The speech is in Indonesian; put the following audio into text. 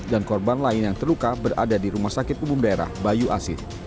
dan korban lain yang terluka berada di rumah sakit umum daerah bayu asir